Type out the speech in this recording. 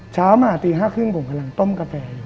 เช้ามาตี๕ครึ่งผมกำลังต้มกาแฟอยู่